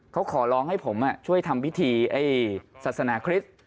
เขาขอร้องให้ผมช่วยทำพิธีศาสนาคริสต์